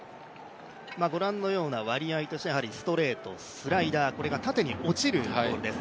ご覧のような割合としてストレート、スライダー、これが縦に落ちる球です。